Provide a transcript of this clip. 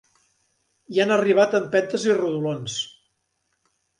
Hi han arribat a empentes i rodolons.